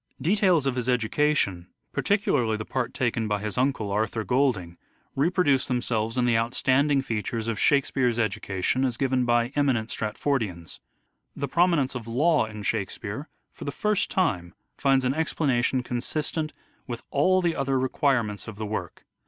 Details of his education, particularly the part taken by his 252 " SHAKESPEARE " IDENTIFIED uncle, Arthur Golding reproduce themselves in the outstanding features of " Shakespeare's " education, as given by eminent Stratfordians. The prominence of law in " Shakespeare " for the first time finds an explanation consistent with all the other requirements of the work.